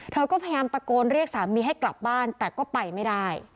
เธอก็พยายามตะโกนเรียกสามีให้กลับบ้านแต่ก็ไปไม่ได้